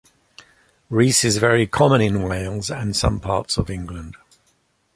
Rhys is very common in Wales, and some parts of England.